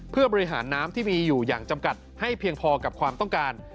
เพื่อบริหารน้ำที่มีอยู่อย่างจำกัดให้เพียงพอกับความต้องการ